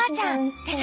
でしょ？